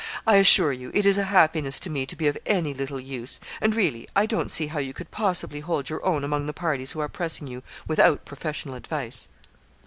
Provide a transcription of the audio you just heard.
I assure you, it is a happiness to me to be of any little use; and, really, I don't see how you could possibly hold your own among the parties who are pressing you without professional advice.'